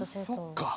そっか。